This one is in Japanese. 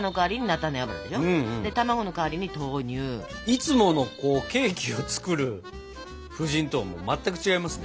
いつものケーキを作る布陣とは全く違いますね。